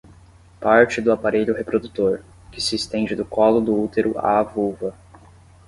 parte do aparelho reprodutor, que se estende do colo do útero à vulva